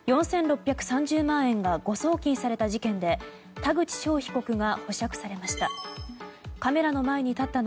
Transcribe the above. ４６３０万円が誤送金された事件で田口翔被告が保釈されました。